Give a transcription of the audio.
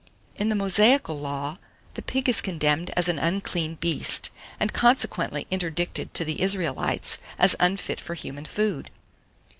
770. IN THE MOSAICAL LAW, the pig is condemned as an unclean beast, and consequently interdicted to the Israelites, as unfit for human food.